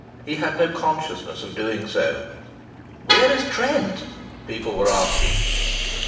He had no consciousness of doing so. "Where is Trent?" people were asking.